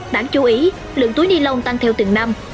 đáng chú ý lượng túi ni lông tăng theo từng năm